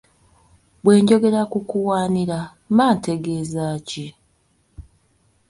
Bwe njogera ku kuwanira, mba ntegeeza ki?